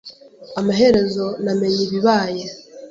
Amaherezo namenye ibibaye.